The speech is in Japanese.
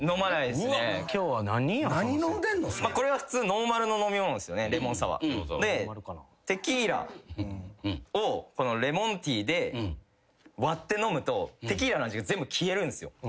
これは普通ノーマルの飲み物レモンサワー。でテキーラをレモンティーで割って飲むとテキーラの味が全部消えるんですよ。